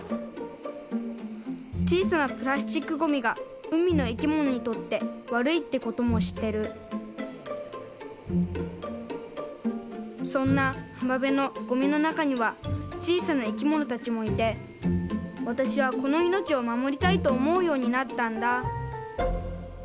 ちいさなプラスチックゴミがうみのいきものにとってわるいってこともしってるそんなはまべのゴミのなかにはちいさないきものたちもいてわたしはこのいのちをまもりたいとおもうようになったんだ